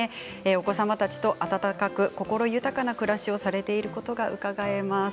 お子様たちと温かく心豊かな暮らしをされていることがうかがえます。